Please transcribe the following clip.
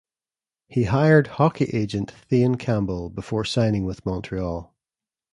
He hired hockey agent Thayne Campbell before signing with Montreal.